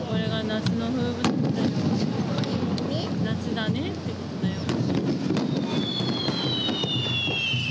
夏だねってことだよ。